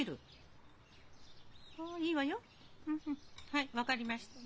はい分かりました。